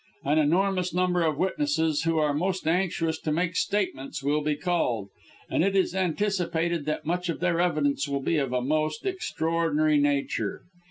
An enormous number of witnesses, who are most anxious to make statements, will be called; and it is anticipated that much of their evidence will be of a most extraordinary nature.